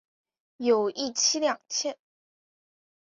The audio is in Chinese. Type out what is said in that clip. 有一妻两妾。